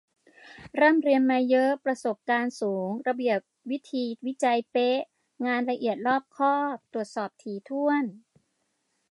ร่ำเรียนมาเยอะ ประสบการณ์สูง ระเบียบวิธีวิจัยเป๊ะ งานละเอียด รอบคอบ ตรวจสอบถี่ถ้วน